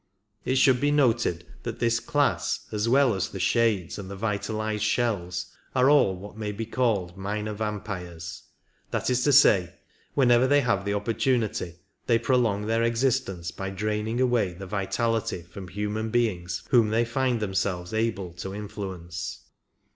It should be noted that this class, as well as the shades and the vitalized shells, are all what may be called minor vampires ; that is to say, whenever they have the opportunity they prolong their existence by draining away the vitality from human beings whom they find themselves able to influence.